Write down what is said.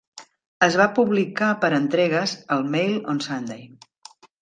Es va publicar per entregues al Mail on Sunday.